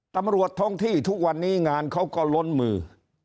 ตำรวจท้องที่ทุกวันนี้งานเขาก็ล้นมือ